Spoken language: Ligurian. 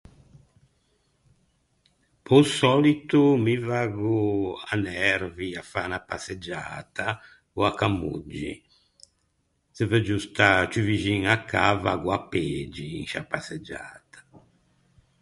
Pe-o sòlito mi vaggo à Nervi, à fâ unna passeggiata, ò à Camoggi. Se veuggio stâ ciù vixin à cà vaggo à Pegi, in sciâ passeggiata.